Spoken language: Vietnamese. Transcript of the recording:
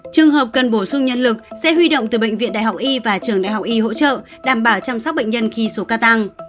trường hợp cần bổ sung nhân lực sẽ huy động từ bệnh viện đại học y và trường đại học y hỗ trợ đảm bảo chăm sóc bệnh nhân khi số ca tăng